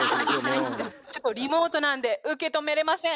ちょっとリモートなんで受け止めれません。